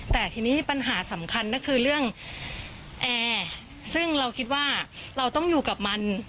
แต่ทีนี้ปัญหาสำคัญก็คือเรื่องแอร์ซึ่งเราคิดว่าเราต้องอยู่กับมัน